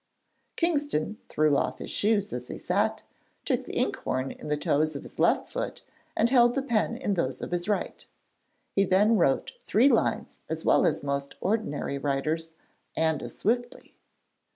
Kingston threw off his shoes as he sat, took the ink horn in the toes of his left foot, and held the pen in those of his right. He then wrote three lines as well as most ordinary writers, and as swiftly.